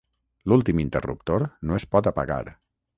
L'últim interruptor no es pot apagar.